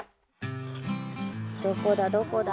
どこだどこだ？